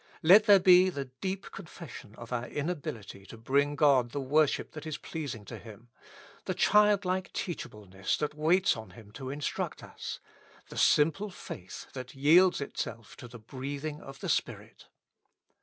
Let there be the deep con fession of our inability to bring God the worship that is pleasing to Him ; the childlike teachableness that waits on Him to instruct us ; the simple faith that yields itself to the breathing of the Spirit.